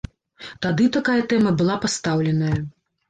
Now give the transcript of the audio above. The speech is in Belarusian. Тады такая тэма была пастаўленая.